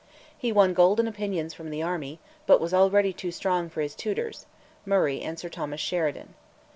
He won golden opinions from the army, but was already too strong for his tutors Murray and Sir Thomas Sheridan.